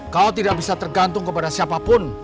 kau tidak bisa tergantung kepada siapapun